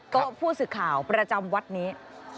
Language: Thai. โต๊ะผู้ศึกข่าวประจำวัดนี้